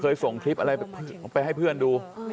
ส่งคลิปอะไรไปให้เพื่อนดู